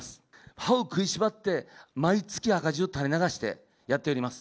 歯を食いしばって、毎月、赤字を垂れ流してやってます。